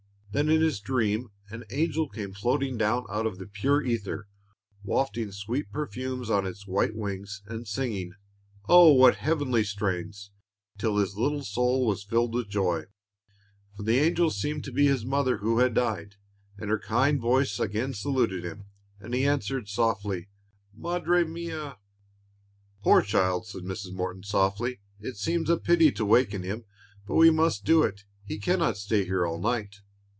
Then, in his dream, an angel came floating down out of the pure ether, wafting sweet perfumes on its white wings, and singing oh! what heavenly strains! till his little soul was filled with joy; for the angel seemed to be his mother who had died, and her kind voice again saluted him, and he answered, softly, "Madre mia!" "Poor child!" said Mrs. Morton, softly, "it seems a pity to waken him, but we must do it; he can not stay here all night."